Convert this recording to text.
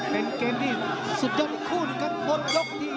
เป็นเกมที่สุดยอดที่คู่ขึ้นกันพบยกที่๓